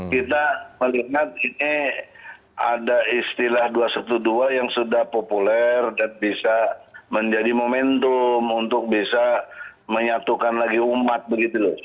kita melihat ini ada istilah dua ratus dua belas yang sudah populer dan bisa menjadi momentum untuk bisa menyatukan lagi umat begitu loh